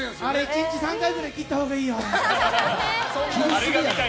１日３回ぐらい切ったほうがいいよ。